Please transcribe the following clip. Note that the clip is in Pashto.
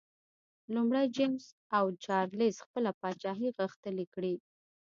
لومړی جېمز او چارلېز خپله پاچاهي غښتلي کړي.